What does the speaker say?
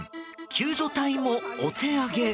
救助隊もお手上げ。